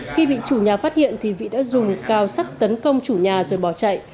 khi bị chủ nhà phát hiện thì vị đã dùng cao sắt tấn công chủ nhà rồi bỏ chạy